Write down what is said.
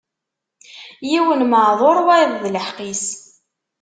Yiwen meɛduṛ, wayeḍ d lḥeqq-is.